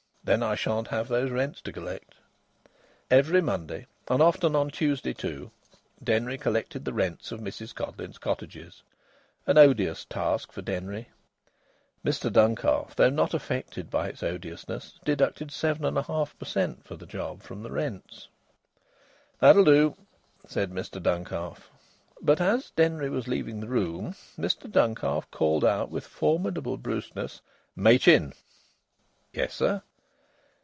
Then I shan't have those rents to collect." Every Monday, and often on Tuesday, too, Denry collected the rents of Mrs Codleyn's cottages an odious task for Denry. Mr Duncalf, though not affected by its odiousness, deducted 7 1/2 per cent. for the job from the rents. "That'll do," said Mr Duncalf. But as Denry was leaving the room Mr Duncalf called with formidable brusqueness "Machin!" "Yes, sir?"